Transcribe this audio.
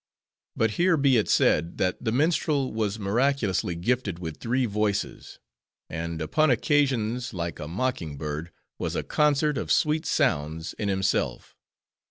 But here, be it said, that the minstrel was miraculously gifted with three voices; and, upon occasions, like a mocking bird, was a concert of sweet sounds in himself.